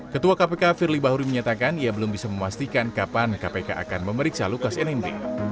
ketua kpk firly bahuri menyatakan ia belum bisa memastikan kapan kpk akan memeriksa lukas nmb